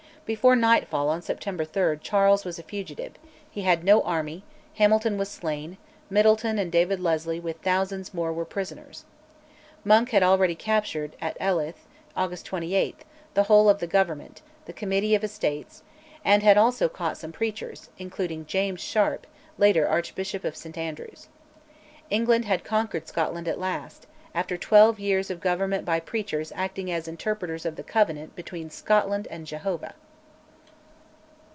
Before nightfall on September 3 Charles was a fugitive: he had no army; Hamilton was slain, Middleton and David Leslie with thousands more were prisoners. Monk had already captured, at Alyth (August 28), the whole of the Government, the Committee of Estates, and had also caught some preachers, including James Sharp, later Archbishop of St Andrews. England had conquered Scotland at last, after twelve years of government by preachers acting as interpreters of the Covenant between Scotland and Jehovah.